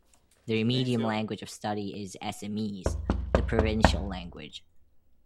Their medium language of study is Assamese, the provincial language.